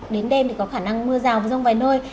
đến đêm thì có khả năng mưa rào và rông vài nơi